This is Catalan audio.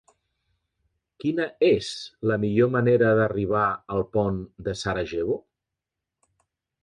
Quina és la millor manera d'arribar al pont de Sarajevo?